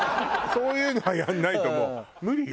そういうのはやらないともう無理よ。